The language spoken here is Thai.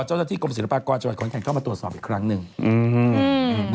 รอเจ้าหน้าที่กรมศิลปากรจับถังเข้ามาตรวจสอบอีกครั้งหนึ่งอืม